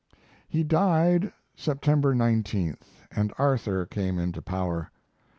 ] He died September 19th, and Arthur came into power.